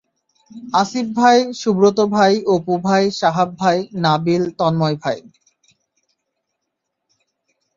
আসিফ ভাই, সুব্রত ভাই, অপু ভাই, সাহাব ভাই, নাবিল, তন্ময় ভাই।